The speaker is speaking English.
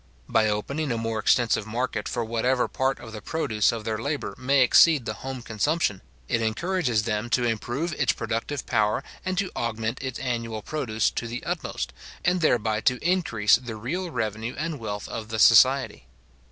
By opening a more extensive market for whatever part of the produce of their labour may exceed the home consumption, it encourages them to improve its productive power, and to augment its annual produce to the utmost, and thereby to increase the real revenue and wealth of the society.